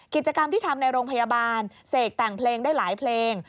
กิจกรรมที่ทำในโรงพยาบาลเสกแต่งเพลงได้หลายเพลง